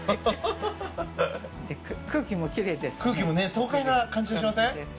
爽快な感じがしません？